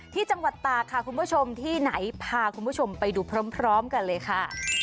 ที่จังหวัดตากค่ะคุณผู้ชมที่ไหนพาคุณผู้ชมไปดูพร้อมกันเลยค่ะ